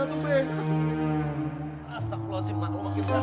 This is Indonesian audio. astagfirullahaladzim mak lu bikin keras